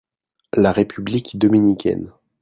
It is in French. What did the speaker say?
la République dominicaine.